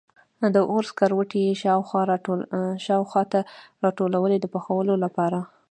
د اور سکروټي یې خوا و شا ته راټولوي د پخولو لپاره.